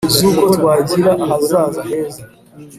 Z’uko twagira ahazaza heza